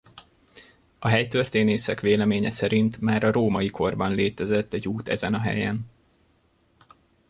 A helytörténészek véleménye szerint már a római korban létezett egy út ezen a helyen.